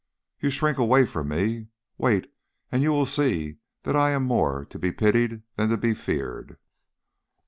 You shrink away from me. Wait, and you will see that I am more to be pitied than to be feared.